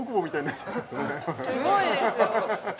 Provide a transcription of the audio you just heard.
すごいですよ